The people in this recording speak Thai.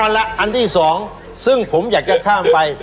ส่วนอันที่สองซึ่งผมอยากจะข้ามไป